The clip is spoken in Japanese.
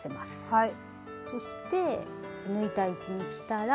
はい。